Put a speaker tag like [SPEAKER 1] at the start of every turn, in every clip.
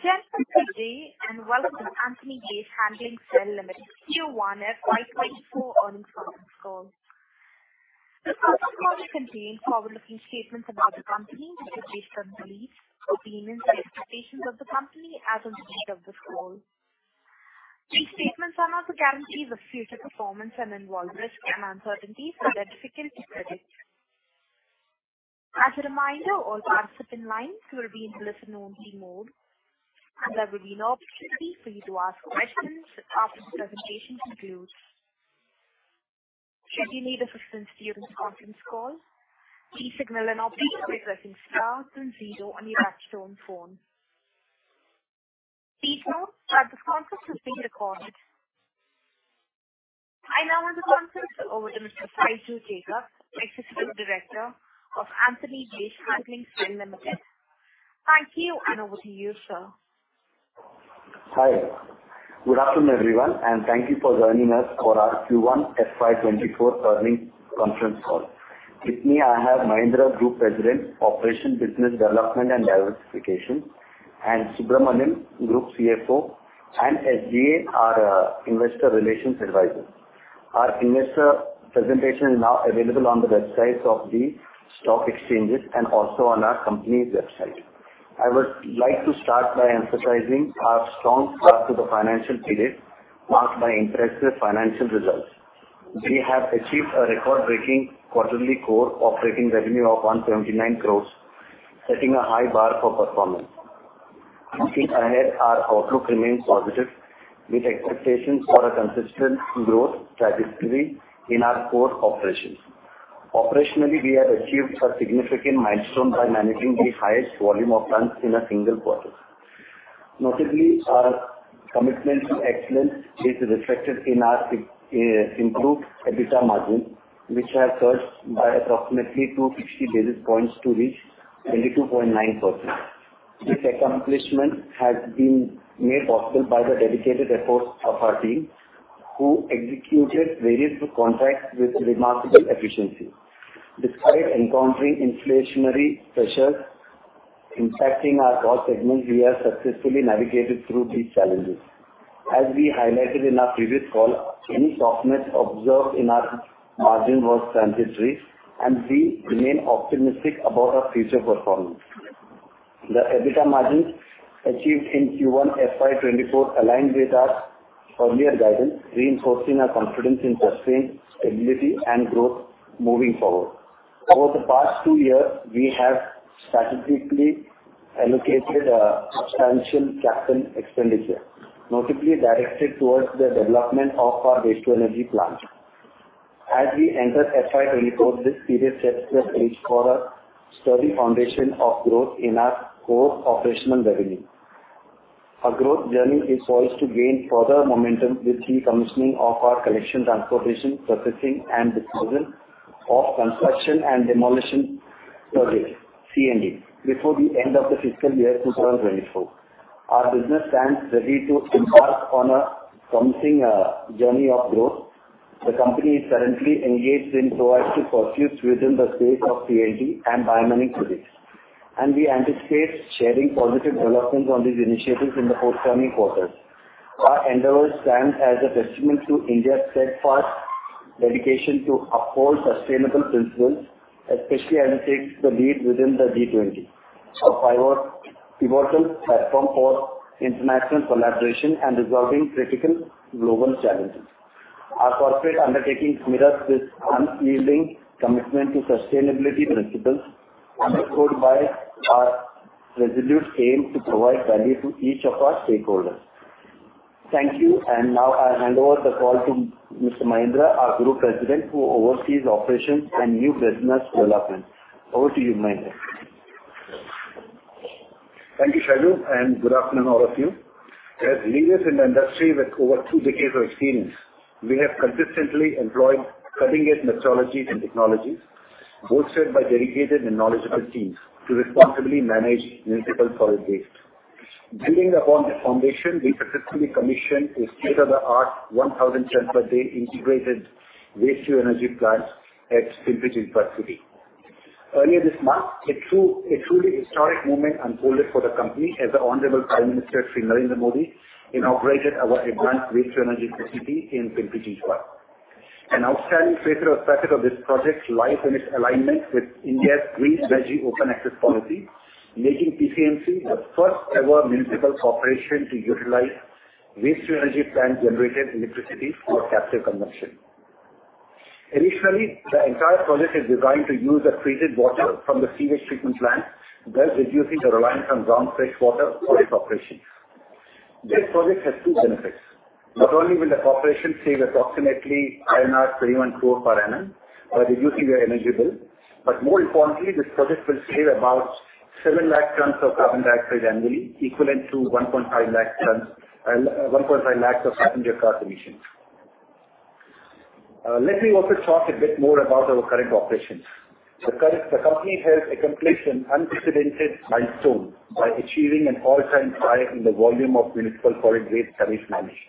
[SPEAKER 1] Ladies and gentlemen, good day, Welcome to Antony Waste Handling Cell Limited, Q1 FY 2024 earnings conference call. The call may contain forward-looking statements about the company, which are based on beliefs, opinions, and expectations of the company as on the date of this call. These statements are not a guarantee of future performance and involve risks and uncertainties that are difficult to predict. As a reminder, all participant lines will be in listen-only mode. There will be an opportunity for you to ask questions after the presentation concludes. Should you need assistance during this conference call, please signal an operator by pressing star then zero on your touchtone phone. Please note that this conference is being recorded. I now hand the conference over to Mr. Shiju Jacob, Executive Director of Antony Waste Handling Cell Limited. Thank you, Over to you, sir.
[SPEAKER 2] Hi. Good afternoon, everyone, and thank you for joining us for our Q1 FY2024 earnings conference call. With me, I have Mahendra, Group President, Operation, Business Development and Diversification, and Subramaniam, Group CFO, and SGA, our investor relations advisor. Our investor presentation is now available on the websites of the stock exchanges and also on our company's website. I would like to start by emphasizing our strong start to the financial period, marked by impressive financial results. We have achieved a record-breaking quarterly core operating revenue of 179 crores, setting a high bar for performance. Looking ahead, our outlook remains positive, with expectations for a consistent growth trajectory in our core operations. Operationally, we have achieved a significant milestone by managing the highest volume of tons in a single quarter. Notably, our commitment to excellence is reflected in our improved EBITDA margin, which has surged by approximately 250 basis points to reach 22.9%. This accomplishment has been made possible by the dedicated efforts of our team, who executed various contracts with remarkable efficiency. Despite encountering inflationary pressures impacting our core segment, we have successfully navigated through these challenges. As we highlighted in our previous call, any softness observed in our margin was transitory, and we remain optimistic about our future performance. The EBITDA margin achieved in Q1 FY 2024 aligned with our earlier guidance, reinforcing our confidence in sustained stability and growth moving forward. Over the past 2 years, we have strategically allocated substantial capital expenditure, notably directed towards the development of our waste-to-energy plant. As we enter FY 2024, this period sets the stage for a sturdy foundation of growth in our core operational revenue. Our growth journey is poised to gain further momentum with the commissioning of our collection, transportation, processing, and disposal of construction and demolition projects, C&D, before the end of the fiscal year 2024. Our business stands ready to embark on a promising journey of growth. The company is currently engaged in proactive pursuits within the space of C&D and biomining projects, and we anticipate sharing positive developments on these initiatives in the forthcoming quarters. Our endeavors stand as a testament to India's steadfast dedication to uphold sustainable principles, especially as it takes the lead within the G20, a pivot- important platform for international collaboration and resolving critical global challenges. Our corporate undertakings mirror this unyielding commitment to sustainability principles, underscored by our resolute aim to provide value to each of our stakeholders. Thank you, and now I hand over the call to Mr. Mahendra, our Group President, who oversees operations and new business development. Over to you, Mahendra.
[SPEAKER 3] Thank you, Shiju, good afternoon, all of you. As leaders in the industry with over two decades of experience, we have consistently employed cutting-edge methodologies and technologies, bolstered by dedicated and knowledgeable teams, to responsibly manage municipal solid waste. Building upon this foundation, we successfully commissioned a state-of-the-art 1,000 ton per day integrated waste-to-energy plant at Pimpri-Chinchwad city. Earlier this month, a truly historic moment unfolded for the company as the Honorable Prime Minister Shri Narendra Modi inaugurated our advanced waste-to-energy facility in Pimpri-Chinchwad. An outstanding feature aspect of this project lies in its alignment with India's Green Energy Open Access policy, making PCMC the first-ever municipal corporation to utilize waste-to-energy plant-generated electricity for captive consumption. Additionally, the entire project is designed to use the treated water from the sewage treatment plant, thus reducing the reliance on ground freshwater for its operations. This project has two benefits: Not only will the corporation save approximately 304 crore per annum by reducing their energy bill, but more importantly, this project will save about 7 lakh tons of carbon dioxide annually, equivalent to 1.5 lakh tons, 1.5 lakh of passenger car emissions. Let me also talk a bit more about our current operations. The company has accomplished an unprecedented milestone by achieving an all-time high in the volume of municipal solid waste that is managed....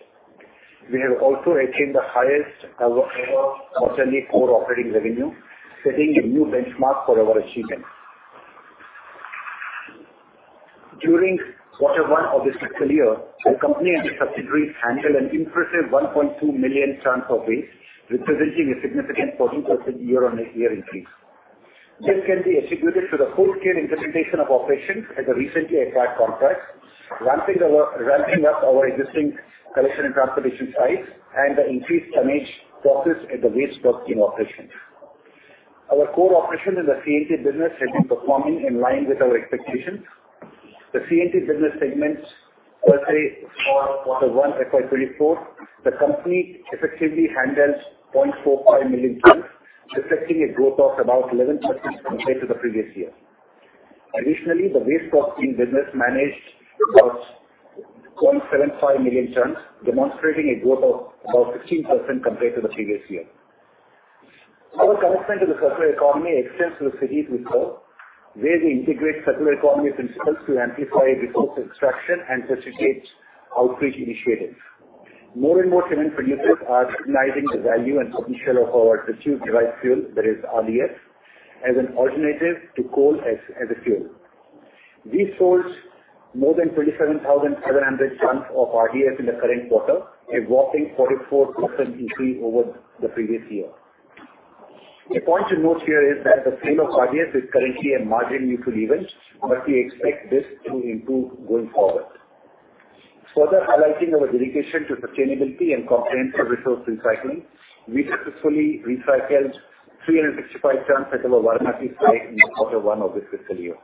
[SPEAKER 3] We have also attained the highest ever quarterly core operating revenue, setting a new benchmark for our achievement. During Q1 of this fiscal year, the company and the subsidiaries handled an impressive 1.2 million tons of waste, representing a significant 14% year-on-year increase. This can be attributed to the full-scale implementation of operations at the recently acquired contracts, ramping up our existing collection and transportation sites, and the increased tonnage processed at the waste processing operations. Our core operations in the C&D business have been performing in line with our expectations. The C&D business segments per se, for the Q1 FY 2024, the company effectively handles 0.45 million tons, reflecting a growth of about 11% compared to the previous year. Additionally, the waste processing business managed about 0.75 million tons, demonstrating a growth of about 16% compared to the previous year. Our commitment to the circular economy extends to the cities we serve, where we integrate circular economy principles to amplify resource extraction and facilitate outreach initiatives. More and more cement producers are recognizing the value and potential of our refuse-derived fuel, that is RDF, as an alternative to coal as a fuel. We sold more than 27,700 tons of RDF in the current quarter, a whopping 44% increase over the previous year. A point to note here is that the sale of RDF is currently a margin neutral event, but we expect this to improve going forward. Further highlighting our dedication to sustainability and comprehensive resource recycling, we successfully recycled 365 tons at our Varanasi site in quarter one of this fiscal year.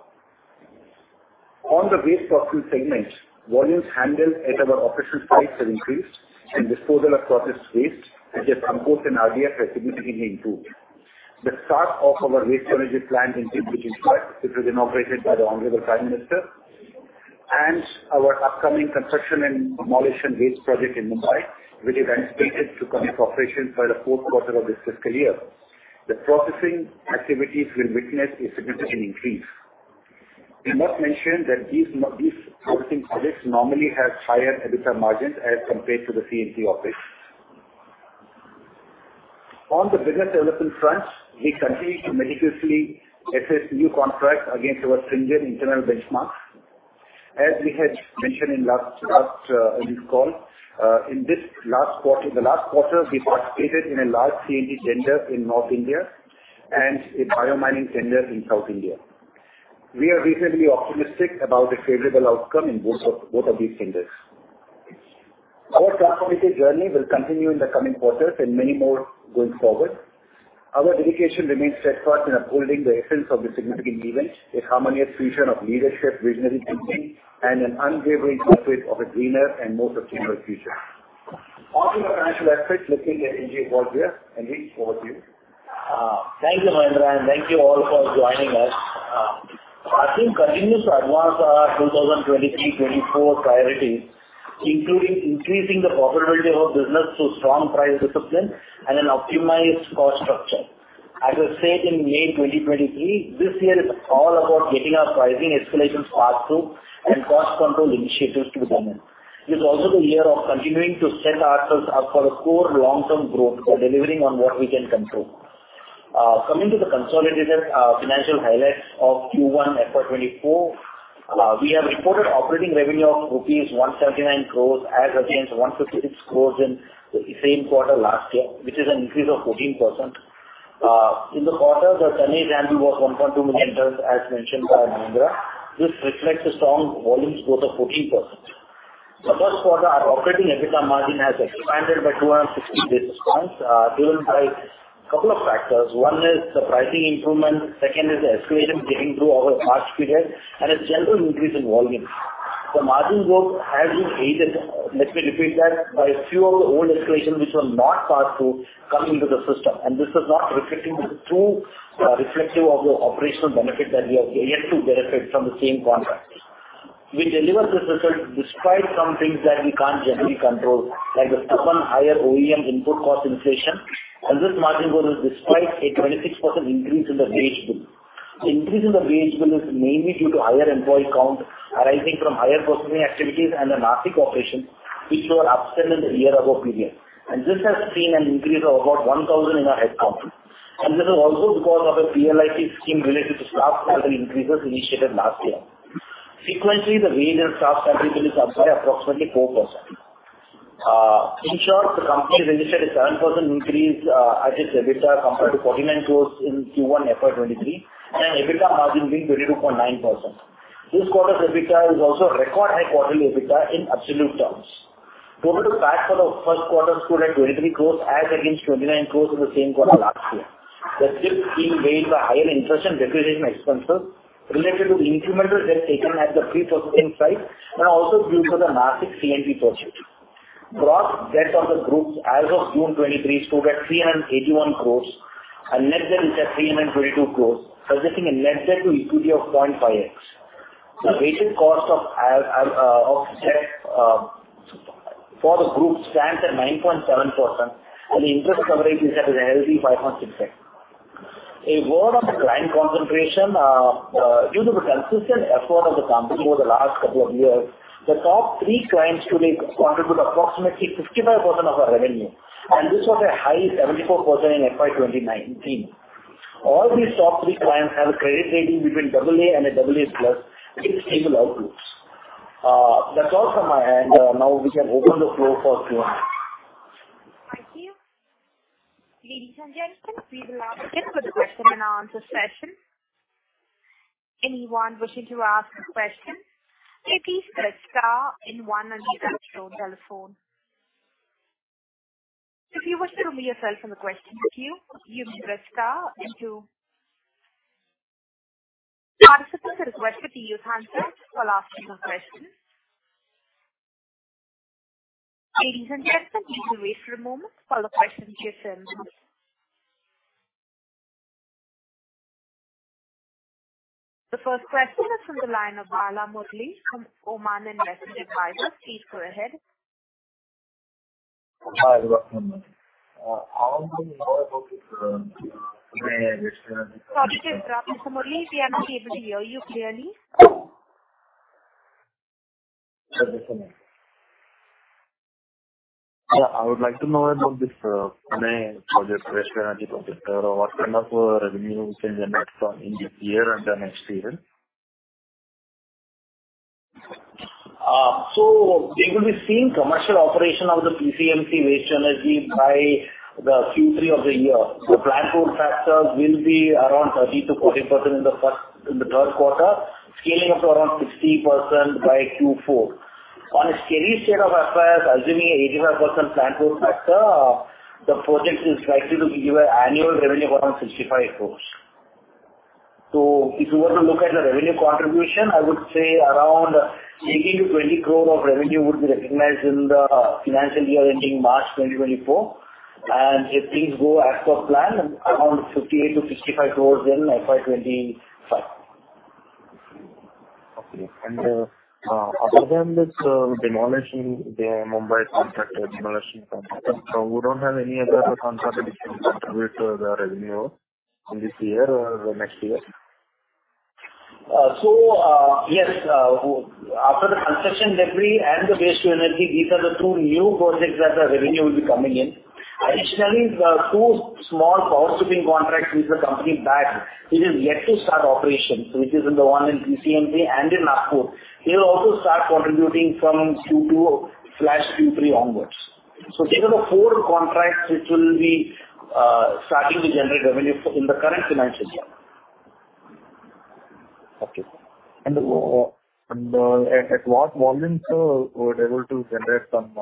[SPEAKER 3] On the waste processing segment, volumes handled at our operational sites have increased, and disposal of processed waste, such as compost and RDF, has significantly improved. The start of our waste-to-energy plant in Chinchwad, which was inaugurated by the Honorable Prime Minister, and our upcoming construction and demolition waste project in Mumbai, which is anticipated to come in operation by the fourth quarter of this fiscal year, the processing activities will witness a significant increase. We must mention that these processing projects normally have higher EBITDA margins as compared to the C&D operations. On the business development front, we continue to meticulously assess new contracts against our stringent internal benchmarks. As we had mentioned in last, in this call, the last quarter, we participated in a large C&D tender in North India and a biomining tender in South India. We are reasonably optimistic about a favorable outcome in both of these tenders. Our transformative journey will continue in the coming quarters and many more going forward. Our dedication remains steadfast in upholding the essence of the significant event, a harmonious fusion of leadership, visionary thinking, and an unwavering pursuit of a greener and more sustainable future. On to the financial aspects, let me hand it over to Anil. Anil, over to you.
[SPEAKER 4] Thank you, Mahendra, and thank you all for joining us. Parsim continues to advance our 2023-2024 priorities, including increasing the profitability of our business to strong price discipline and an optimized cost structure. As I said in May 2023, this year is all about getting our pricing escalations passed through and cost control initiatives to be done. It is also the year of continuing to set ourselves up for a core long-term growth by delivering on what we can control. Coming to the consolidated financial highlights of Q1 FY 2024, we have reported operating revenue of rupees 179 crores as against 156 crores in the same quarter last year, which is an increase of 14%. In the quarter, the tonnage handled was 1.2 million tons, as mentioned by Mahendra. This reflects a strong volumes growth of 14%. First quarter, our operating EBITDA margin has expanded by 260 basis points, driven by a couple of factors. One is the pricing improvement, second is the escalation getting through our March period, and a general increase in volumes. The margin growth has been aided, let me repeat that, by a few of the old escalations, which were not passed through coming into the system, and this is not reflecting the true, reflective of the operational benefit that we have yet to benefit from the same contract. We delivered this result despite some things that we can't generally control, like the stubborn higher OEM input cost inflation, and this margin growth is despite a 26% increase in the wage bill. The increase in the wage bill is mainly due to higher employee count arising from higher processing activities and the Nashik operation, which were absent in the year-ago period. This has seen an increase of about 1,000 in our headcount. This is also because of the PLIC scheme related to staff salary increases initiated last year. Frequently, the wage and staff category is up by approximately 4%. In short, the company registered a 7% increase, adjust EBITDA compared to 49 crore in Q1 FY23, and EBITDA margin being 22.9%. This quarter's EBITDA is also a record high quarterly EBITDA in absolute terms. Total debt for the first quarter stood at 23 crore as against 29 crore in the same quarter last year. The shift being made by higher interest and depreciation expenses related to the incremental debt taken at the pre-processing sites, and also due to the Nashik C&D project. Gross debt of the group as of June 23 stood at 381 crore, and net debt is at 322 crore, suggesting a net debt-to-equity of 0.5x. The weighted cost of debt for the group stands at 9.7%, and the interest coverage is at a healthy 5.6x. A word on the client concentration. Due to the consistent effort of the company over the last couple of years, the top three clients today contribute approximately 55% of our revenue, and this was a high 74% in FY 2019. All these top three clients have a credit rating between AA and AA+ with stable outlooks. That's all from my end. Now we can open the floor for Q&A.
[SPEAKER 1] Thank you. Ladies and gentlemen, we will now begin with the question and answer session. Anyone wishing to ask a question, please press star and one on your telephone. If you wish to unmute yourself from the question queue, you press star and two. Participants are requested to use handsets for asking the questions. Ladies and gentlemen, please wait for a moment for the questions to come. The first question is from the line of Bala Murali from Oman Investment Advisor. Please go ahead.
[SPEAKER 5] Hi, good afternoon. I would like to know about the.
[SPEAKER 1] Sorry to interrupt, Mr. Murali. We are not able to hear you clearly.
[SPEAKER 5] Yeah, I would like to know about this, Pune project, waste-to-energy project. What kind of revenue we can generate from in this year and the next year?
[SPEAKER 4] We will be seeing commercial operation of the PCMC waste-to-energy by Q3 of the year. The Plant Load Factors will be around 30%-40% in the third quarter, scaling up to around 60% by Q4. On a steady state of as far as assuming 85% Plant Load Factor, the project is likely to give you an annual revenue around 65 crore. If you were to look at the revenue contribution, I would say around 18 20 crore of revenue would be recognized in the financial year ending March 2024, and if things go as per plan, around 58 crore - 65 crore in FY 2025.
[SPEAKER 5] Okay. And, other than this, demolition, the Mumbai contract demolition contract, so we don't have any other contract which can contribute to the revenue in this year or the next year?
[SPEAKER 4] Yes, after the construction debris and the waste-to-energy, these are the 2 new projects that the revenue will be coming in. Additionally, there are 2 small power sweeping contracts with the company back, which is yet to start operations, which is in the 1 in PCMC and in Nagpur. They will also start contributing from Q2/Q3 onwards. These are the 4 contracts which will be starting to generate revenue for in the current financial year.
[SPEAKER 5] Okay. At what volume, sir, we're able to generate some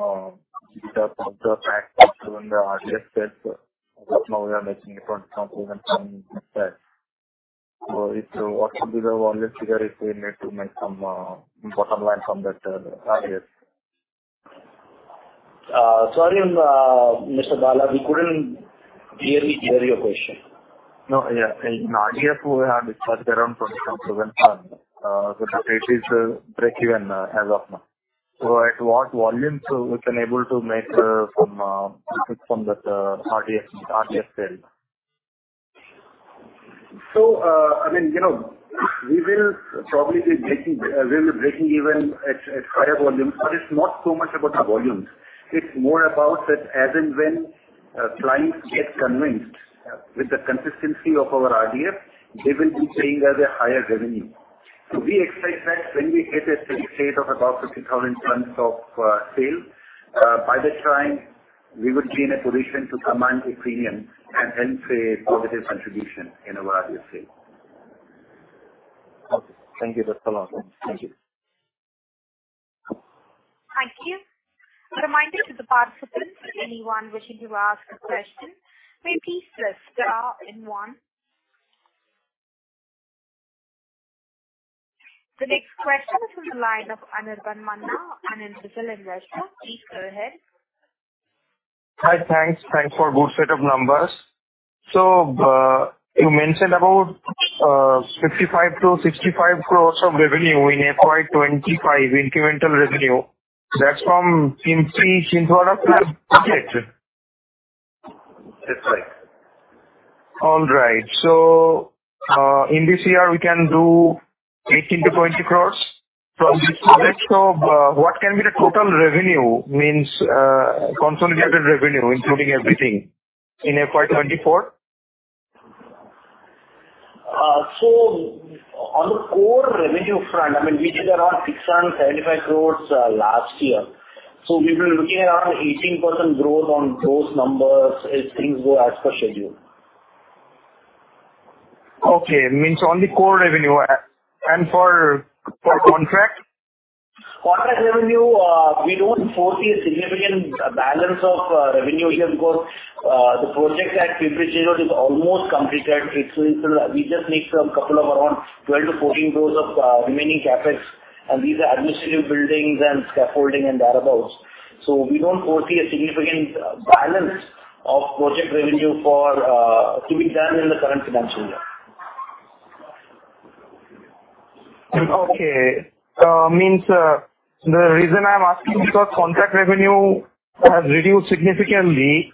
[SPEAKER 5] data from the fact that in the RDF space, now we are making different components from that. If, what should be the volume figure, if we need to make some bottom line from that target?
[SPEAKER 4] Sorry, Mr. Bala, we couldn't clearly hear your question.
[SPEAKER 5] No, yeah. In RDF, we had dispatched around 27,000 tons, so that it is breakeven, as of now. At what volume, so we've been able to make some profit from that RDF sale?
[SPEAKER 3] I mean, you know, we will probably be breaking, we'll be breaking even at, at higher volumes, but it's not so much about the volumes. It's more about that as and when clients get convinced with the consistency of our RDF, they will be paying us a higher revenue. We expect that when we hit a steady state of about 50,000 tons of sales by that time, we would be in a position to command a premium and then pay a positive contribution in our RDF sales.
[SPEAKER 5] Okay. Thank you. That's all. Thank you.
[SPEAKER 1] Thank you. A reminder to the participants, anyone wishing to ask a question, may please press star and one. The next question is from the line of Anirban Manna, an institutional investor. Please go ahead.
[SPEAKER 6] Hi, thanks. Thanks for good set of numbers. You mentioned about, 55 crore - 65 crore of revenue in FY 2025, incremental revenue. That's from Pimpri Chinchwad correct?
[SPEAKER 3] That's right.
[SPEAKER 6] All right. In this year, we can do 18 crore - 20 crore? From this project, what can be the total revenue, means, consolidated revenue, including everything, in FY 2024?
[SPEAKER 4] On the core revenue front, I mean, we did around 675 crores last year. We've been looking at around 18% growth on those numbers as things go as per schedule.
[SPEAKER 6] Okay. Means on the core revenue. And for contract?
[SPEAKER 4] Contract revenue, we don't foresee a significant balance of revenue here, because, the project at Pimpri-Chinchwad is almost completed. It's, it's, we just need some couple of around 12 crore - 14 crore of remaining CapEx, and these are administrative buildings and scaffolding and thereabouts. So we don't foresee a significant balance of project revenue for to be done in the current financial year.
[SPEAKER 6] Okay, means, the reason I'm asking is because contract revenue has reduced significantly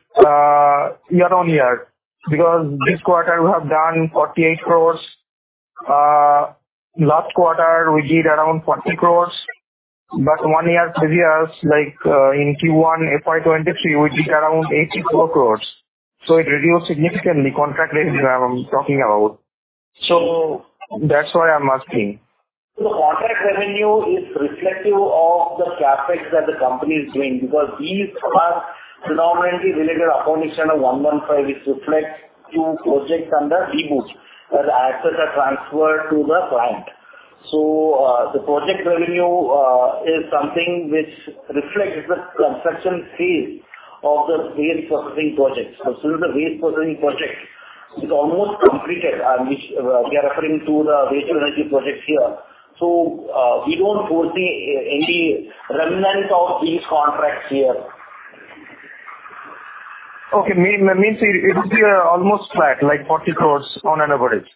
[SPEAKER 6] year-on-year. This quarter we have done 48 crore. Last quarter, we did around 40 crore, but one year previous, like, in Q1 FY23, we did around 84 crore. It reduced significantly, contract revenue, I'm talking about. That's why I'm asking.
[SPEAKER 4] The contract revenue is reflective of the CapEx that the company is doing, because these are predominantly related to accounting Standard 115, which reflects two projects under DBOOT where the assets are transferred to the client. The project revenue is something which reflects the construction phase of the waste processing projects. Since the waste processing project is almost completed, and which we are referring to the waste-to-energy projects here. We don't foresee any remnant of these contracts here.
[SPEAKER 6] Okay. May means it would be, almost flat, like 40 crore on an average,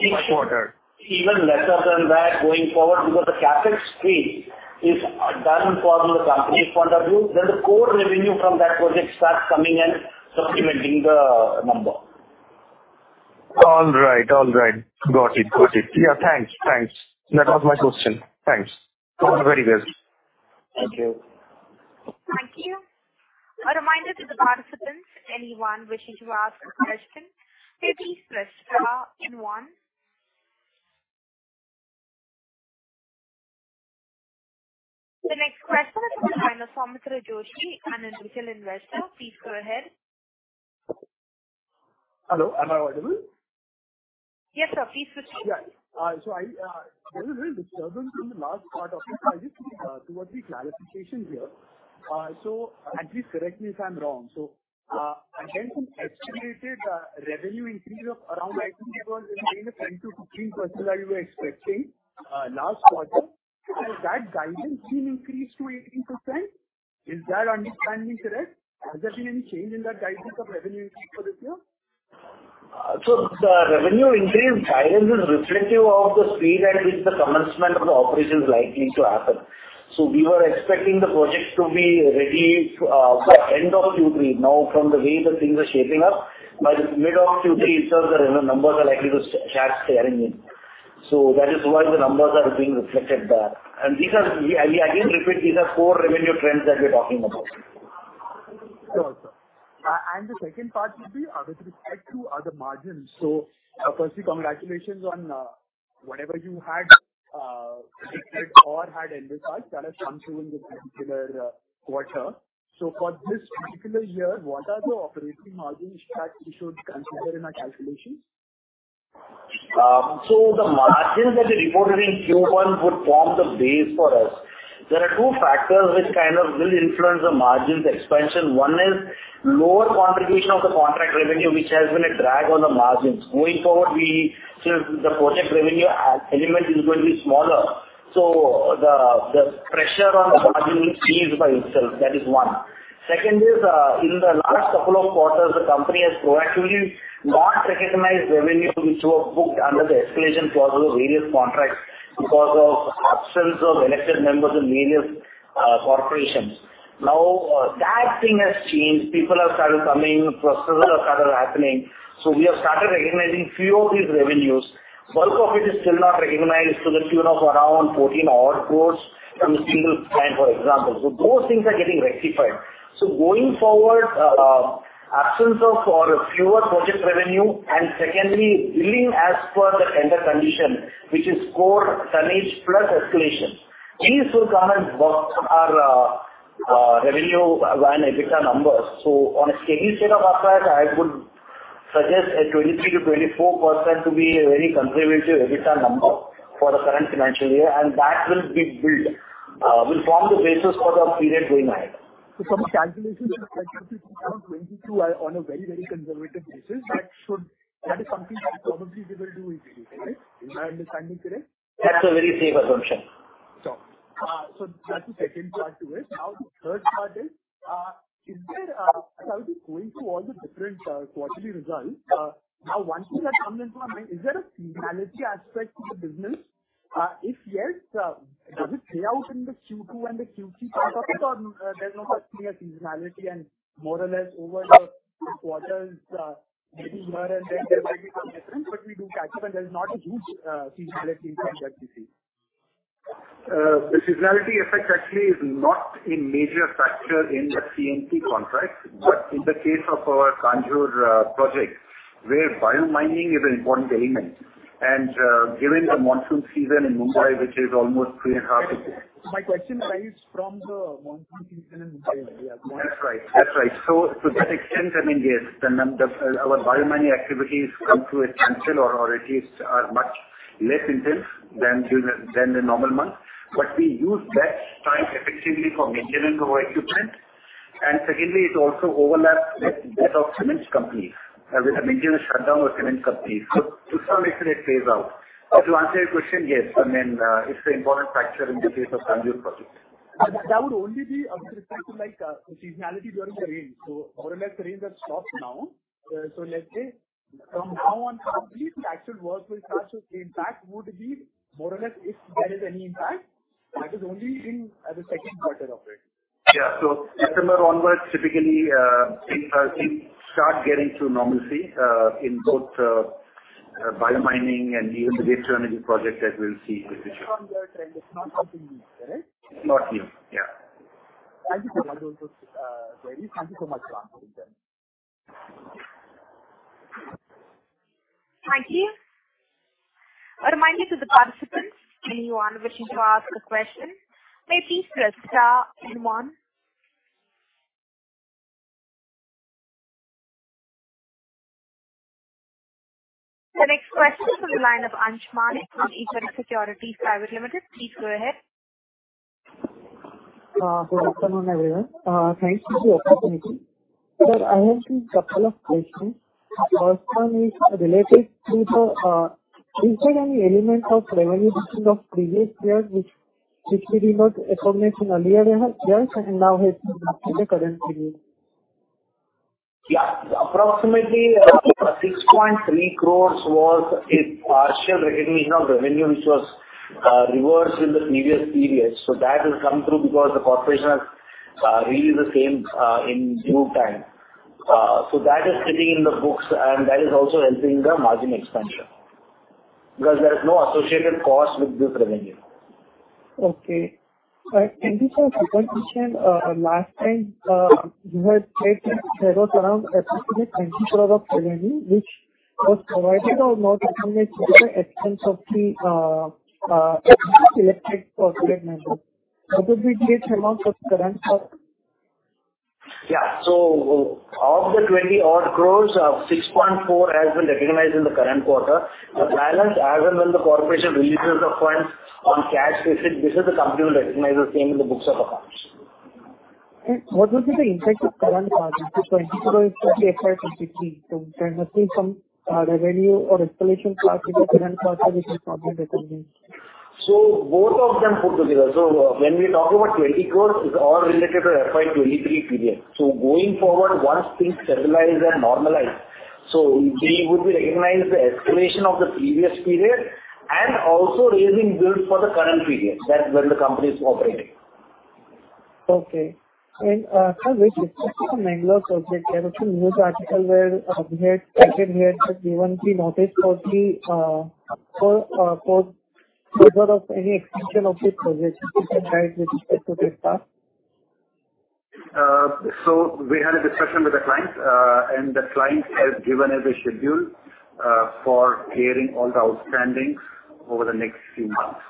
[SPEAKER 6] each quarter?
[SPEAKER 4] Even lesser than that going forward, because the CapEx fee is done for the company's point of view. The core revenue from that project starts coming and supplementing the number.
[SPEAKER 6] All right. All right. Got it. Got it. Yeah, thanks. Thanks. That was my question. Thanks. All very well.
[SPEAKER 4] Thank you.
[SPEAKER 1] Thank you. A reminder to the participants, anyone wishing to ask a question, please press star and one. The next question is from Somitra Joshi, an initial investor. Please go ahead.
[SPEAKER 7] Hello, am I audible?
[SPEAKER 1] Yes, sir. Please proceed.
[SPEAKER 7] Yeah. So I, there was a disturbance in the last part of it. I just need to what the clarification here. So at least correct me if I'm wrong. So, I think the estimated revenue increase of around, I think it was in the 10%-15% that you were expecting last quarter. Has that guidance been increased to 18%? Is that understanding correct? Has there been any change in that guidance of revenue increase for this year?
[SPEAKER 4] The revenue increase guidance is reflective of the speed at which the commencement of the operation is likely to happen. We were expecting the project to be ready by end of Q3. Now, from the way that things are shaping up, by the mid of Q3, the revenue numbers are likely to start scaling in. That is why the numbers are being reflected there. These are, again, I repeat, these are core revenue trends that we're talking about.
[SPEAKER 7] Sure, sir. The second part will be with respect to other margins. Firstly, congratulations on whatever you had predicted or had envisaged that has come through in this particular quarter. For this particular year, what are the operating margins that we should consider in our calculations?
[SPEAKER 4] So the margins that we reported in Q1 would form the base for us. There are two factors which kind of will influence the margins expansion. One is lower contribution of the contract revenue, which has been a drag on the margins. Going forward, the project revenue element is going to be smaller, so the, the pressure on the margin ease by itself. That is one. Second is, in the last couple of quarters, the company has proactively not recognized revenue, which were booked under the escalation clause of the various contracts because of absence of elected members in various corporations. Now, that thing has changed. People have started coming, processes have started happening, so we have started recognizing few of these revenues. Bulk of it is still not recognized to the tune of around 14 crore from a single client, for example. Those things are getting rectified. Going forward, absence of or fewer project revenue, and secondly, billing as per the tender condition, which is core tonnage plus escalation. These two comments work are, revenue and EBITDA numbers. On a steady state of affairs, I would suggest a 23%-24% to be a very conservative EBITDA number for the current financial year, and that will be built, will form the basis for the period going ahead.
[SPEAKER 7] From the calculations, if we take around 22 are on a very, very conservative basis. That is something that probably we will do easily, correct? Is my understanding correct?
[SPEAKER 4] That's a very safe assumption.
[SPEAKER 7] Sure. That's the second part to it. Now, the third part is, is there, as I was going through all the different quarterly results, now one thing that comes into my mind, is there a seasonality aspect to the business? If yes, does it play out in the Q2 and the Q3 part of it, or there's no such clear seasonality and more or less over the quarters, maybe more, and then there might be some difference, but we do catch up, and there's not a huge seasonality impact that we see.
[SPEAKER 3] The seasonality effect actually is not a major factor in the C&T contracts, but in the case of our Kanjur project, where bio-mining is an important element, and given the monsoon season in Mumbai, which is almost 3.5-
[SPEAKER 7] My question arise from the monsoon season in Mumbai. Yeah.
[SPEAKER 3] That's right. That's right. To that extent, I mean, yes, then the, our biomining activities come to a standstill or, or at least are much less intense than during the, than the normal months. We use that time effectively for maintenance of our equipment. Secondly, it also overlaps with that of cement companies, with the maintenance shutdown of cement companies. To some extent, it plays out. To answer your question, yes, I mean, it's an important factor in the case of Kanjur project.
[SPEAKER 7] That would only be with respect to, like, seasonality during the rain. More or less, the rain has stopped now. Let's say from now on, the actual work will start. The impact would be more or less, if there is any impact, that is only in the second quarter of it.
[SPEAKER 3] Yeah. December onwards, typically, things start getting to normalcy in both biomining and even the waste-to-energy project that we'll see with this year.
[SPEAKER 7] From there, trend is not helping, correct?
[SPEAKER 3] Not new, yeah.
[SPEAKER 7] Thank you so much for, clearing. Thank you so much for answering them.
[SPEAKER 1] Thank you. A reminder to the participants, anyone wishing to ask a question, may please press star then one. The next question is from the line of Ansh Manek from Equirus Securities Limited. Please go ahead.
[SPEAKER 8] Good afternoon, everyone. Thank you for the opportunity. I have two couple of questions. First one is related to the, is there any element of revenue recognition of previous years, which we did not acknowledge in earlier years and now has in the current period?
[SPEAKER 4] Yeah, approximately, 6.3 crore was a partial recognition of revenue, which was reversed in the previous periods. That has come through because the corporation has released the same in due time. That is sitting in the books, and that is also helping the margin expansion, because there is no associated cost with this revenue.
[SPEAKER 8] Okay. This our second question. Last time, you had said that there was around INR 20 crore of revenue, which was provided or not at the expense of the selected project member. What would be the amount for current quarter?
[SPEAKER 4] Yeah. Of the 20 odd crore, 6.4 crore has been recognized in the current quarter. The balance as and when the corporation releases the funds on cash basis, this is the company will recognize the same in the books of accounts.
[SPEAKER 8] What would be the impact of current quarter, 2022 or 2023, completely from, revenue or escalation for the current quarter, which is probably recognized?
[SPEAKER 4] Both of them put together. When we talk about 20 crore, it's all related to FY23 period. Going forward, once things stabilize and normalize, so we would recognize the escalation of the previous period and also raising bills for the current period, that's when the company is operating.
[SPEAKER 8] Okay. Sir, with respect to the Mangalore project, there was a news article where object had given the notice for the for further of any extension of this project. Is that right with respect to this part?
[SPEAKER 3] We had a discussion with the client, and the client has given us a schedule for clearing all the outstandings over the next few months.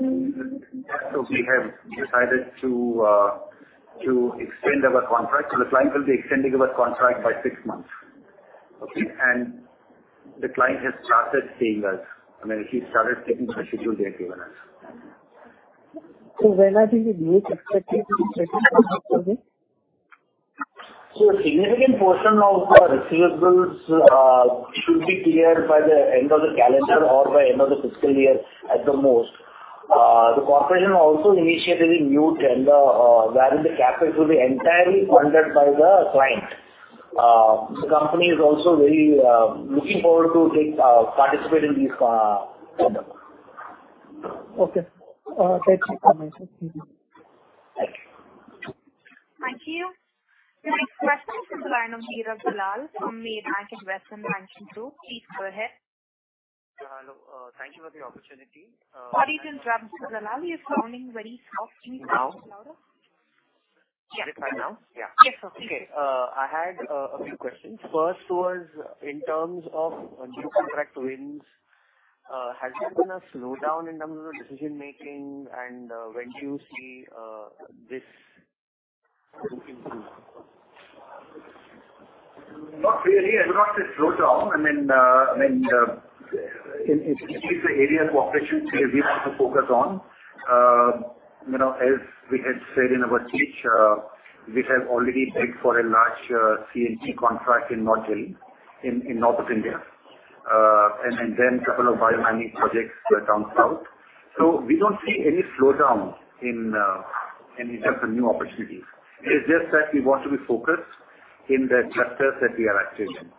[SPEAKER 3] We have decided to extend our contract. The client will be extending our contract by 6 months. Okay? The client has started paying us. I mean, he started taking the schedule they have given us.
[SPEAKER 8] When are we to be expected to be paid for this?
[SPEAKER 4] A significant portion of the receivables should be cleared by the end of the calendar or by end of the fiscal year at the most. The corporation also initiated a new tender, wherein the capital will be entirely funded by the client. The company is also very looking forward to take participate in this tender.
[SPEAKER 8] Okay. Thank you so much.
[SPEAKER 1] Thank you. The next question is from the line of Neerav Dalal from Maybank Investment Bank Group. Please go ahead.
[SPEAKER 9] Hello. Thank you for the opportunity.
[SPEAKER 1] Pardon, Mr. Dalal, you're sounding very soft. Please speak louder.
[SPEAKER 9] Now?
[SPEAKER 1] Yeah.
[SPEAKER 9] Is it fine now?
[SPEAKER 1] Yes, sir.
[SPEAKER 9] Okay. I had a few questions. First was, in terms of new contract wins, has there been a slowdown in terms of decision-making, and when do you see this improving?
[SPEAKER 3] Not really. I would not say slowdown. I mean, I mean, in, in the area of cooperation, we want to focus on, you know, as we had said in our speech, we have already bid for a large, CNC contract in North Delhi, in, in North India, and, and then a couple of biomining projects down south. We don't see any slowdown in, in terms of new opportunities. It's just that we want to be focused in the chapters that we are active in.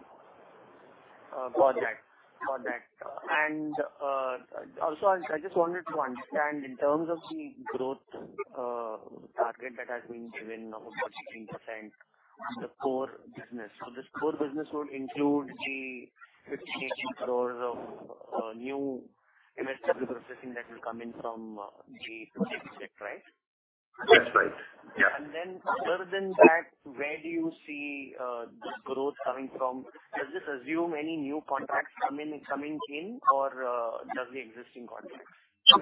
[SPEAKER 9] Got that. Got that. Also, I, I just wanted to understand in terms of the growth, target that has been given about 13%, the core business. This core business would include the 58 crore of new MSW processing that will come in from the project, right?
[SPEAKER 3] That's right, yeah.
[SPEAKER 9] Then other than that, where do you see this growth coming from? Does this assume any new contracts coming in or just the existing contracts?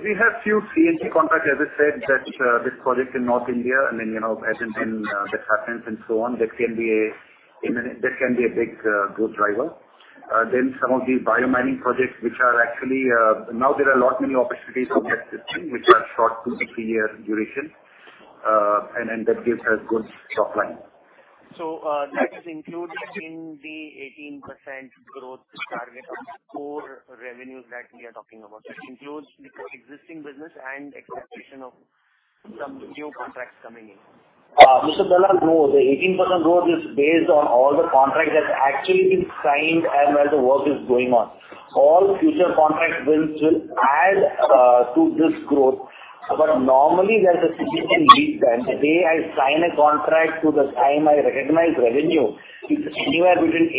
[SPEAKER 3] We have few CNC contracts, as I said, that, this project in North India, and then, you know, as and when that happens and so on, that can be a, that can be a big, growth driver. Some of the biomining projects, which are actually, now there are a lot many opportunities for that system, which are short, two to three year duration, and, and that gives us good top line.
[SPEAKER 9] That is included in the 18% growth target of core revenue that we are talking about. It includes the existing business and expectation of some new contracts coming in.
[SPEAKER 4] Mr. Bella, no, the 18% growth is based on all the contracts that actually been signed and where the work is going on. All future contracts will, will add, to this growth. Normally, there's a significant lead time. The day I sign a contract to the time I recognize revenue, it's anywhere between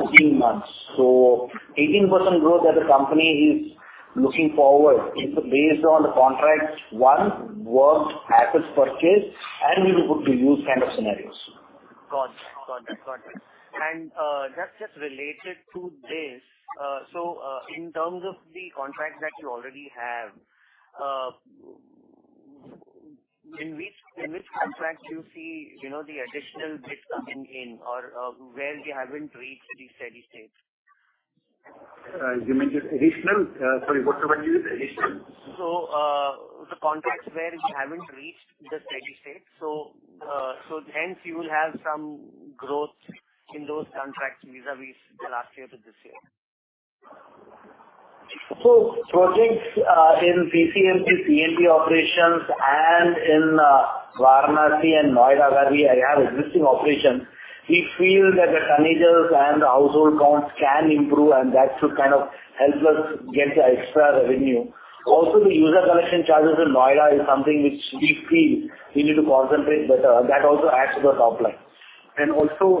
[SPEAKER 4] 8-14 months. 18% growth that the company is looking forward, it's based on the contract, one, work, assets purchased, and we will put to use kind of scenarios.
[SPEAKER 9] Got it. Got it, got it. Just, just related to this, in terms of the contracts that you already have, in which, in which contract you see, you know, the additional bit coming in or, where you haven't reached the steady state?
[SPEAKER 3] You mean the additional? Sorry, what the word you use, additional?
[SPEAKER 9] The contracts where you haven't reached the steady state. Hence, you will have some growth in those contracts vis-a-vis the last year to this year.
[SPEAKER 4] Projects in PCMC, CMP operations and in Varanasi and Noida, where we have existing operations, we feel that the tonnages and the household counts can improve, and that should kind of help us get the extra revenue. The user connection charges in Noida is something which we feel we need to concentrate better. That also adds to the top line.
[SPEAKER 3] Also,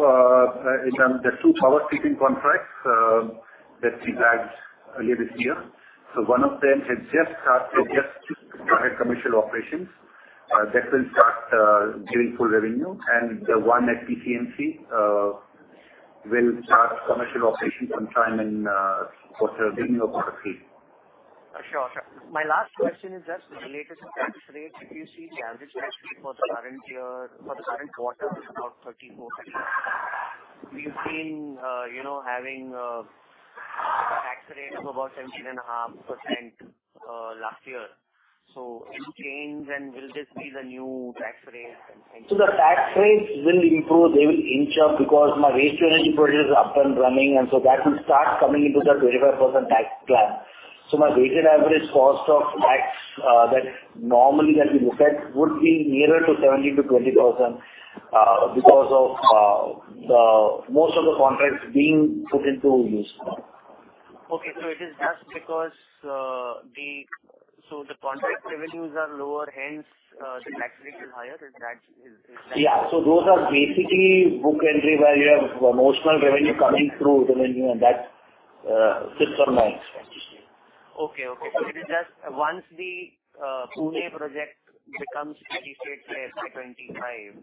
[SPEAKER 3] the 2 power sweeping contracts that we had earlier this year. 1 of them has just started, just to have commercial operations that will start giving full revenue. The 1 at PCMC will start commercial operations sometime in quarter beginning of quarter 3.
[SPEAKER 9] Sure. Sure. My last question is just related to tax rate. If you see the average tax rate for the current year, for the current quarter is about 34%. We've seen, you know, having, tax rate of about 17.5%, last year. So any change, and will this be the new tax rate?
[SPEAKER 4] The tax rates will improve. They will inch up because my waste-to-energy project is up and running, and so that will start coming into the 25% tax plan. My weighted average cost of tax, that normally that we look at, would be nearer to 17%-20%, because of the most of the contracts being put into use now.
[SPEAKER 9] Okay. It is just because, the... The contract revenues are lower, hence, the tax rate is higher, and that is-
[SPEAKER 4] Yeah. Those are basically book entry, where you have notional revenue coming through revenue, and that sits on my expense.
[SPEAKER 9] Okay. Okay. So it is just once the Pune project becomes steady state by FY 2025,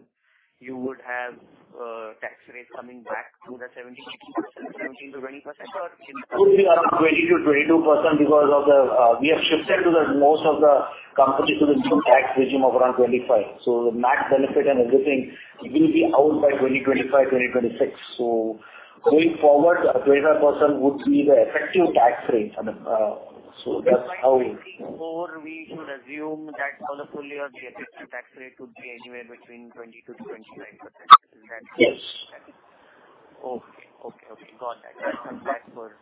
[SPEAKER 9] you would have tax rate coming back to the 17%-20% or?
[SPEAKER 4] It would be up to 20%-22% because of the, we have shifted to the most of the competitive tax regime of around 25. The max benefit and everything will be out by 2025, 2026. Going forward, 25% would be the effective tax rate. That's how.
[SPEAKER 9] Before we should assume that for the full year, the effective tax rate would be anywhere between 20%-25%. Is that correct?
[SPEAKER 4] Yes.
[SPEAKER 9] Okay. Okay, okay. Got that. That's for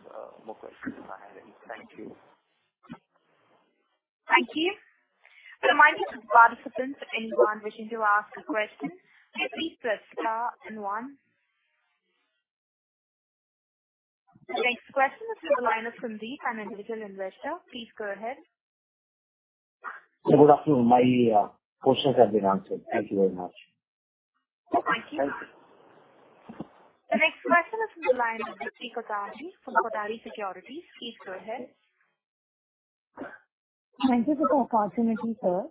[SPEAKER 9] more questions I had. Thank you.
[SPEAKER 1] Thank you. Reminder to participants, anyone wishing to ask a question, please press star and one. The next question is from the line of Sandeep, an individual investor. Please go ahead.
[SPEAKER 10] Good afternoon. My questions have been answered. Thank you very much.
[SPEAKER 1] Thank you. The next question is from the line of Dipti Kothari from Kothari Securities. Please go ahead.
[SPEAKER 11] Thank you for the opportunity, sir.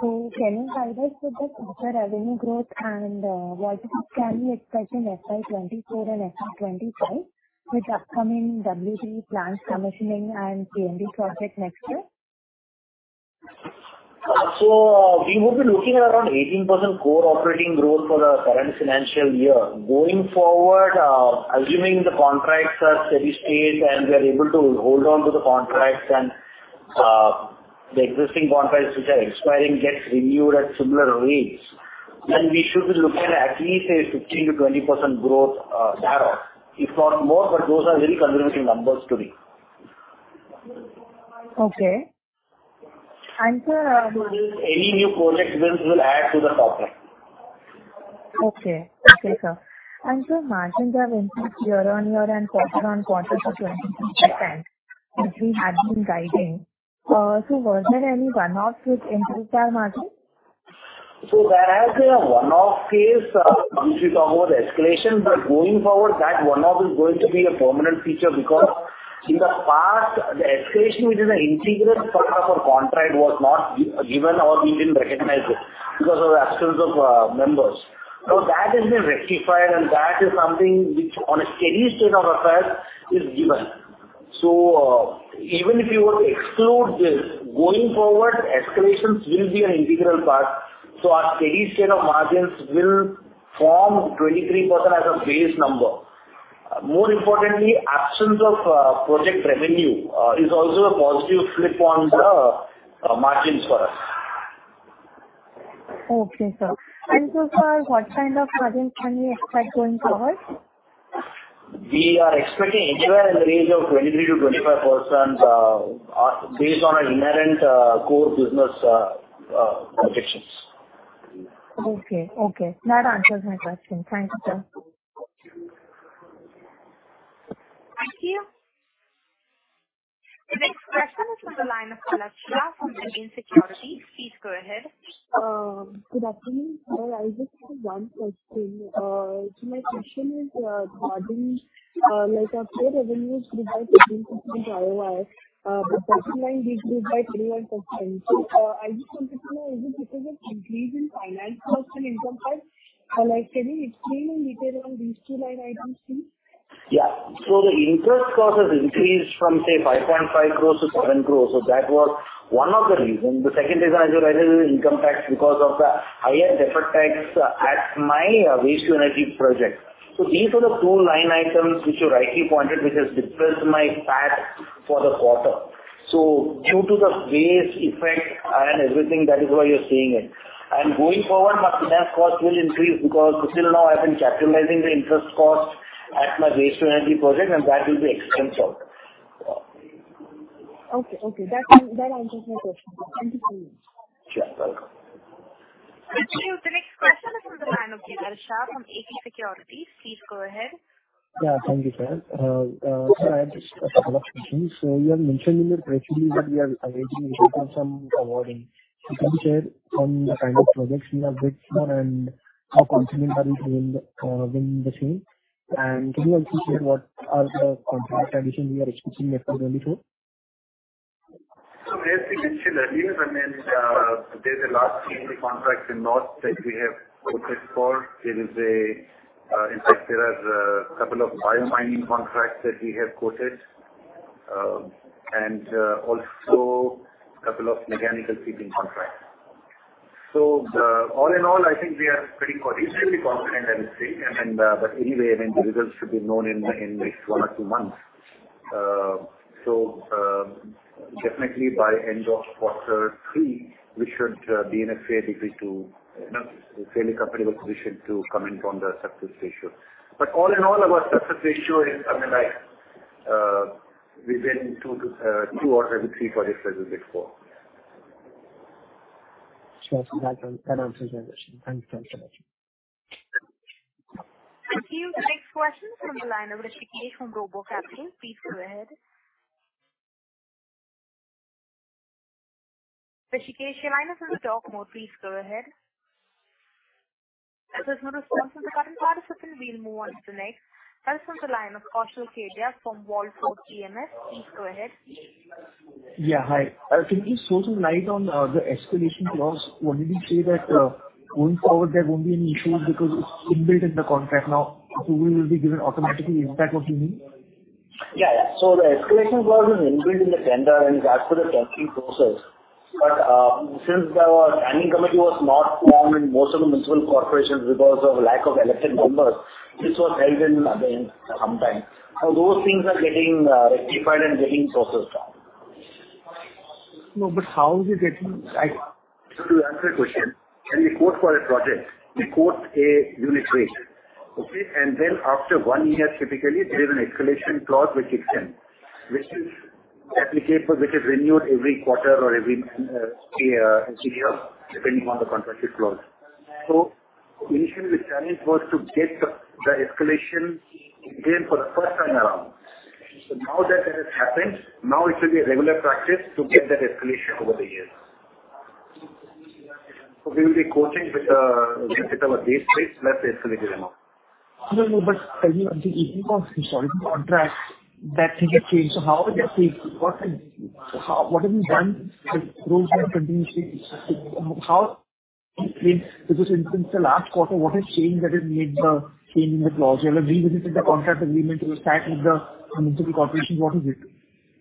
[SPEAKER 11] Can you guide us with the future revenue growth and what can we expect in FY 2024 and FY 2025 with upcoming WT plants commissioning and CMD project next year?
[SPEAKER 4] We would be looking at around 18% core operating growth for the current financial year. Going forward, assuming the contracts are steady state and we are able to hold on to the contracts and the existing contracts which are expiring gets renewed at similar rates, then we should be looking at least a 15%-20% growth thereof, if not more, but those are very conservative numbers to me.
[SPEAKER 11] Okay. And sir,
[SPEAKER 4] Any new project will, will add to the top line.
[SPEAKER 11] Okay. Okay, sir. Sir, margins have increased year-over-year and quarter-over-quarter for 20%, as we had been guiding. Was there any one-off which increased our margin?
[SPEAKER 4] There has been a one-off case, once we talk about escalation, but going forward, that one-off is going to be a permanent feature, because in the past, the escalation, which is an integral part of a contract, was not given or we didn't recognize it because of the absence of members. That has been rectified and that is something which on a steady state of affairs is given. Even if you were to exclude this, going forward, escalations will be an integral part. Our steady state of margins will form 23% as a base number. More importantly, absence of project revenue, is also a positive flip on the margins for us.
[SPEAKER 11] Okay, sir. So far, what kind of margin can we expect going forward?
[SPEAKER 4] We are expecting anywhere in the range of 23%-25%, or based on our inherent, core business, projections.
[SPEAKER 11] Okay. Okay, that answers my question. Thank you, sir.
[SPEAKER 1] Thank you. The next question is from the line of Palak Shah from Indian Security. Please go ahead.
[SPEAKER 12] Good afternoon, sir. I just have one question. My question is, regarding, like our core revenues grew by 13% YoY, but bottom line decreased by 21%. I just wanted to know, is it because of increase in finance cost and income tax? Like, can you explain in detail on these two line items, please?
[SPEAKER 4] The interest cost has increased from, say, 5.5 crore to 7 crore. That was one of the reasons. The second reason as your income tax, because of the higher deferred tax at my waste-to-energy project. These are the two line items which you rightly pointed, which has depressed my tax for the quarter. Due to the base effect and everything, that is why you're seeing it. Going forward, my finance cost will increase because till now I've been capitalizing the interest cost at my waste-to-energy project, and that will be expensed out.
[SPEAKER 12] Okay, okay. That, that answers my question. Thank you so much.
[SPEAKER 4] Sure. Welcome.
[SPEAKER 1] Thank you. The next question is from the line of Jigar Shah from AK Securities. Please go ahead.
[SPEAKER 13] Yeah, thank you, sir. I have just a couple of questions. You have mentioned in your Q3 that we are awaiting some awarding. Can you share some the kind of projects you have bid for and how confident are you to win the win the same? Can you also share what are the contract addition we are expecting in fiscal 2024?
[SPEAKER 3] As we mentioned earlier, I mean, there's a large CNC contracts in North that we have quoted for. It is, in fact, there are a couple of biomining contracts that we have quoted, and also a couple of mechanical treating contracts. All in all, I think we are pretty cautiously confident, I would say. Anyway, I mean, the results should be known in, in the next 1 or 2 months. Definitely by end of quarter three, we should be in a fair degree to, you know, fairly comfortable position to comment on the success ratio. All in all, our success ratio is, I mean, like, within 2 to 2 out of every 3 projects as it was before.
[SPEAKER 13] Sure. That, that answers my question. Thank you so much.
[SPEAKER 1] Thank you. The next question from the line of Rishikesh from RoboCapital. Please go ahead. Rishikesh, your line is on the talk mode. Please go ahead. As there's no response from the current participant, we'll move on to the next. Next on the line of Kaushal Kedia from Wallfort PMS. Please go ahead.
[SPEAKER 14] Yeah, hi. Can you shed some light on the escalation clause? What did you say that going forward, there won't be any issues because it's inbuilt in the contract now, so we will be given automatically. Is that what you mean?
[SPEAKER 4] Yeah. The escalation clause is inbuilt in the tender, and that's for the tendering process. Since there were, standing committee was not formed in most of the municipal corporations because of lack of elected members, this was held in, again, sometime. Those things are getting rectified and getting processed out.
[SPEAKER 14] No, how is it getting...
[SPEAKER 3] To answer your question, when we quote for a project, we quote a unit rate. Okay? Then after 1 year, typically, there is an escalation clause which extends, which is applicable, which is renewed every quarter or every year, depending on the contracted clause. Initially, the challenge was to get the escalation in place for the first time around. Now that that has happened, now it will be a regular practice to get that escalation over the years. We will be quoting with, with our base rate, plus the escalated amount.
[SPEAKER 14] No, no, tell me, I think because... Sorry, the contract, that thing has changed. How is it changed? What, how, what have you done to those who are continuously, How, because since the last quarter, what has changed that has made the change in the clause? You have revisited the contract agreement with the municipal corporation. What is it?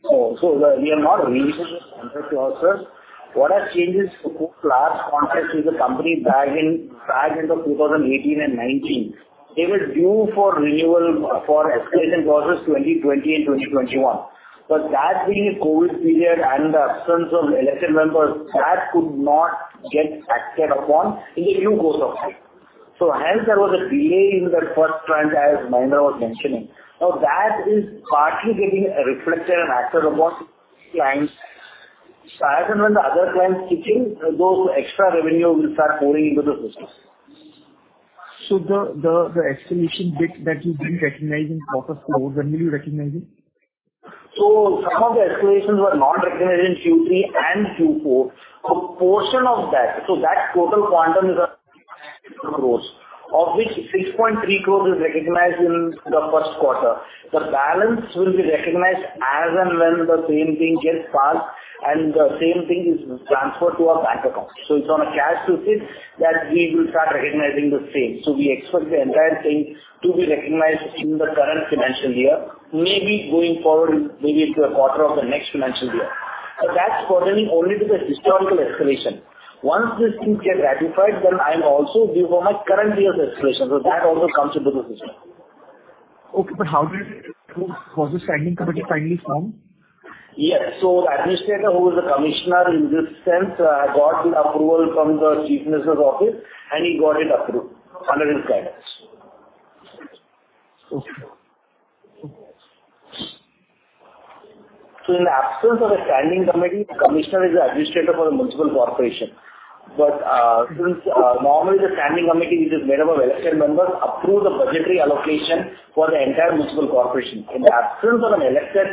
[SPEAKER 4] So we have not revisited the contract clauses. What has changed is the large contracts with the company back in, back end of 2018 and 2019, they were due for renewal for escalation clauses, 2020 and 2021. That being a COVID period and the absence of elected members, that could not get acted upon in the new course of time. Hence there was a delay in that first tranche, as Mahendra was mentioning. Now, that is partly getting reflected and acted upon clients. As and when the other clients pitching, those extra revenue will start pouring into the system.
[SPEAKER 14] The escalation bit that you didn't recognize in quarter four, when will you recognize it?
[SPEAKER 4] Some of the escalations were not recognized in Q3 and Q4. A portion of that, so that total quantum is crores, of which 6.3 crore is recognized in the first quarter. The balance will be recognized as and when the same thing gets passed and the same thing is transferred to our bank account. It's on a cash basis that we will start recognizing the same. We expect the entire thing to be recognized in the current financial year, maybe going forward, maybe into a quarter of the next financial year. That's pertaining only to the historical escalation. Once these things get ratified, then I'll also give all my current year's escalation, so that also comes into the picture.
[SPEAKER 14] Okay, but how did it go? Was the standing committee finally formed?
[SPEAKER 4] Yes. The administrator, who is the commissioner in this sense, got the approval from the Chief Minister's office, and he got it approved under his guidance.
[SPEAKER 14] Okay.
[SPEAKER 4] In the absence of a standing committee, the commissioner is the administrator for the municipal corporation. Since normally the standing committee, which is made up of elected members, approve the budgetary allocation for the entire municipal corporation. In the absence of an elected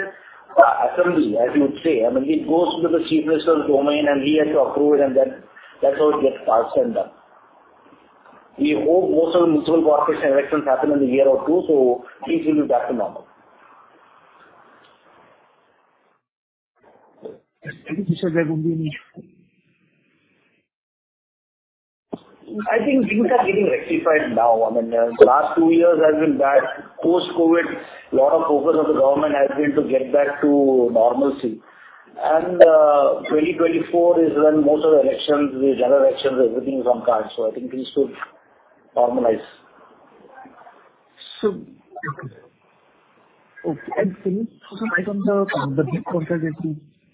[SPEAKER 4] assembly, as you would say, I mean, it goes to the Chief Minister's domain, and he has to approve it, and then that's how it gets passed and done. We hope most of the municipal corporation elections happen in a year or two, so things will be back to normal.
[SPEAKER 14] I think you said there would be any?
[SPEAKER 4] I think things are getting rectified now. I mean, the last 2 years has been bad. Post-COVID, a lot of focus of the government has been to get back to normalcy. 2024 is when most of the elections, the general elections, everything is on card, so I think things could normalize.
[SPEAKER 14] Okay. Okay, can you tell us about the big contract that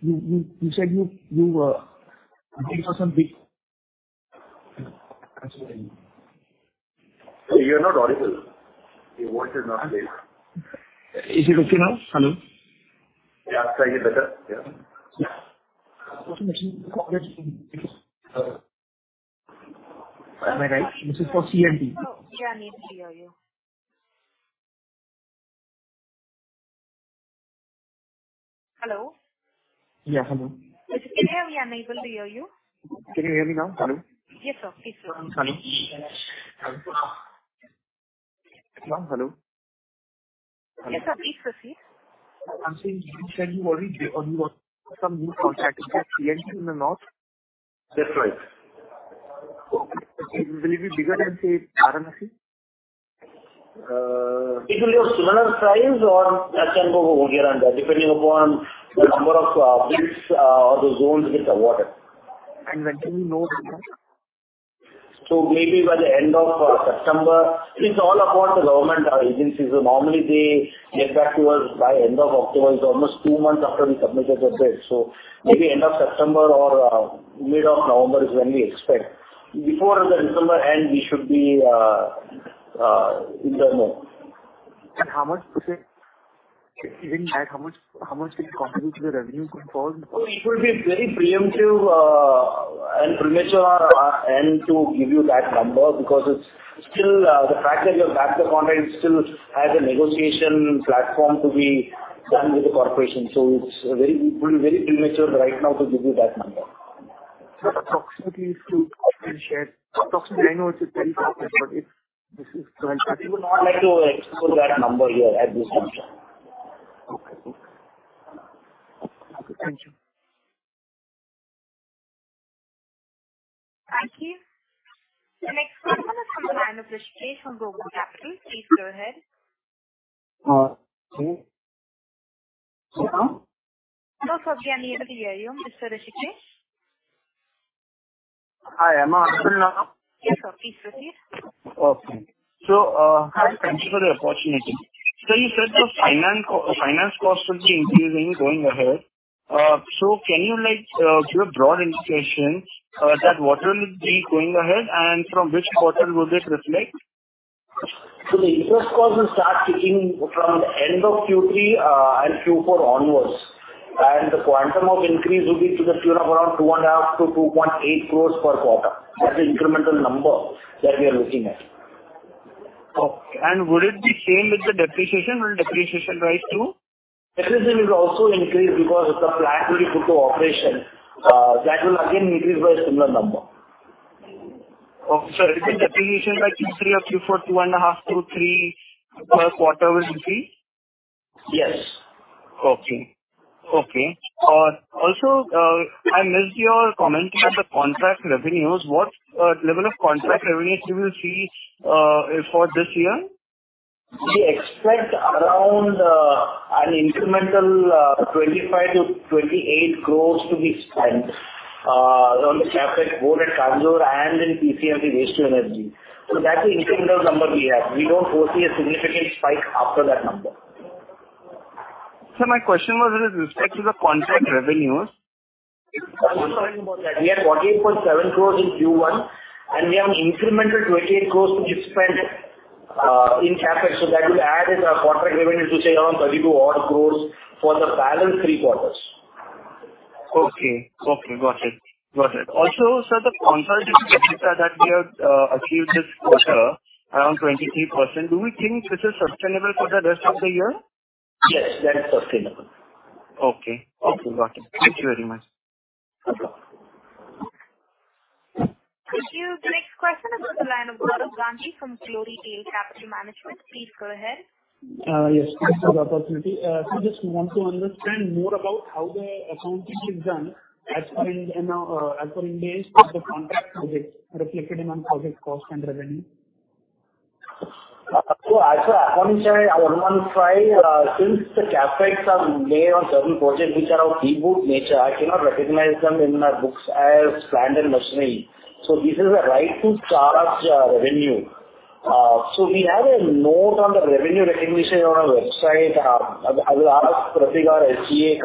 [SPEAKER 14] you said you went for some big...
[SPEAKER 3] You're not audible. Your voice is not there.
[SPEAKER 14] Is it okay now? Hello.
[SPEAKER 3] Yeah, slightly better. Yeah.
[SPEAKER 14] Am I right? This is for CMP.
[SPEAKER 1] Yeah, we hear you. Hello?
[SPEAKER 14] Yeah. Hello.
[SPEAKER 1] Sorry, can you hear me? I'm able to hear you.
[SPEAKER 14] Can you hear me now? Hello.
[SPEAKER 1] Yes, sir. Please go on.
[SPEAKER 14] Hello? Hello, hello.
[SPEAKER 1] Yes, sir. Please proceed.
[SPEAKER 14] I'm saying you said you already won some new contract in the north?
[SPEAKER 3] That's right.
[SPEAKER 14] Will it be bigger than, say, RMC?
[SPEAKER 4] It will be a similar size or that can go over here and there, depending upon the number of bids or the zones which are awarded.
[SPEAKER 14] When do you know this?
[SPEAKER 4] Maybe by the end of September. It's all about the government agencies. Normally they get back to us by end of October. It's almost two months after we submitted the bid. Maybe end of September or mid of November is when we expect. Before the December end, we should be in the know.
[SPEAKER 14] How much %? How much, how much do you contribute to the revenue from all?
[SPEAKER 4] Oh, it will be very pre-emptive, and premature on our end to give you that number, because it's still, the fact that you're back the contract, it still has a negotiation platform to be done with the corporation. It's very, it would be very premature right now to give you that number.
[SPEAKER 14] Approximately if you could share. Approximately, I know it's a very rough estimate, but.
[SPEAKER 4] We would not like to explore that number here at this juncture.
[SPEAKER 14] Okay. Okay. Thank you.
[SPEAKER 1] Thank you. The next question is from the line of Rishi, from Broke Capital. Please go ahead.
[SPEAKER 15] Hello.
[SPEAKER 1] Hello, sir. We are unable to hear you, Mr. Rishi.
[SPEAKER 15] Hi, am I audible now?
[SPEAKER 1] Yes, sir. Please proceed.
[SPEAKER 15] Okay. Thank you for the opportunity. You said the finance cost will be increasing going ahead. Can you, like, give a broad indication that what will it be going ahead, and from which quarter will this reflect?
[SPEAKER 4] The interest cost will start ticking from the end of Q3 and Q4 onwards, and the quantum of increase will be to the tune of around INR 2.5 crore - 2.8 crore per quarter. That's the incremental number that we are looking at.
[SPEAKER 15] Okay. Would it be same with the depreciation? Will depreciation rise, too?
[SPEAKER 4] Depreciation will also increase because the plant will be put to operation. That will again increase by a similar number.
[SPEAKER 15] Okay. You think depreciation by Q3 or Q4, 2.5-3 per quarter will increase?
[SPEAKER 4] Yes.
[SPEAKER 15] Okay. Okay. Also, I missed your comment about the contract revenues. What level of contract revenues you will see for this year?
[SPEAKER 4] We expect around, an incremental, 25 crore - 28 crore to be spent, on the CapEx board at Kanjur and in PCMC, the waste to energy. That's the incremental number we have. We don't foresee a significant spike after that number.
[SPEAKER 15] Sir, my question was with respect to the contract revenues.
[SPEAKER 4] I'm sorry about that. We had 48.7 crores in Q1, and we have an incremental 28 crores to be spent in CapEx. That will add in our contract revenues to say around 32 odd crores for the balance three quarters.
[SPEAKER 15] Okay. Okay, got it. Got it. Also, sir, the consolidated EBITDA that we have achieved this quarter, around 23%, do we think this is sustainable for the rest of the year?
[SPEAKER 2] Yes, that is sustainable.
[SPEAKER 15] Okay. Okay, got it. Thank you very much.
[SPEAKER 4] Welcome.
[SPEAKER 1] Thank you. The next question is from the line of Gaurav Gandhi from Glorytail Capital Management. Please go ahead.
[SPEAKER 16] Yes, thank you for the opportunity. I just want to understand more about how the accounting is done as per, you know, as per engaged with the contract projects, reflected in our project cost and revenue.
[SPEAKER 4] As the accounting side, I want to try, since the CapEx are made on certain projects which are of nature, I cannot recognize them in our books as planned and machinery. This is a right to charge, revenue. We have a note on the revenue recognition on our website. I will ask Pratik, our FCA,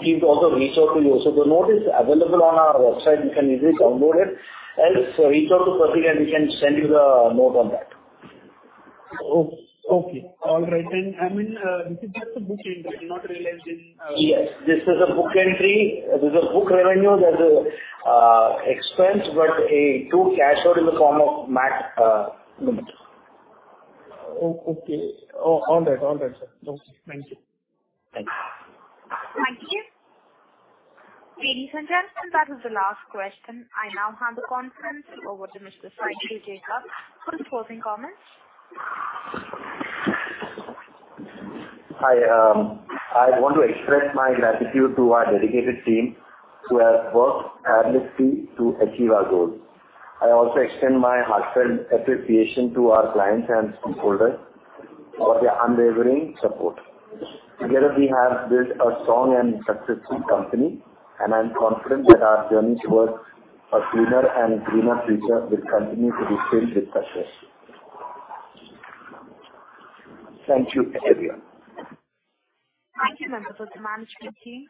[SPEAKER 4] he will also reach out to you. The note is available on our website. You can easily download it, else reach out to Pratik and we can send you the note on that.
[SPEAKER 16] Oh, okay. All right. I mean, this is just a book entry, not realized in.
[SPEAKER 4] Yes, this is a book entry. This is a book revenue that is expense, but a due cash out in the form of limit.
[SPEAKER 16] Oh, okay. All right. All right, sir. Okay, thank you.
[SPEAKER 4] Thank you.
[SPEAKER 1] Thank you. Ladies and gentlemen, that is the last question. I now hand the conference over to Mr. Shiju Jacob for the closing comments.
[SPEAKER 2] Hi, I want to express my gratitude to our dedicated team, who have worked tirelessly to achieve our goals. I also extend my heartfelt appreciation to our clients and stakeholders for their unwavering support. Together, we have built a strong and successful company, and I'm confident that our journey towards a cleaner and greener future will continue to be filled with success. Thank you, everyone.
[SPEAKER 1] Thank you, members of the management team.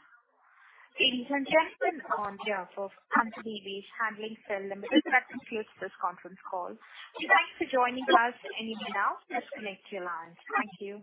[SPEAKER 1] Ladies and gentlemen on behalf of Antony Waste Handling Cell Limited, I conclude this conference call. Thanks for joining us, and you may now disconnect your lines. Thank you.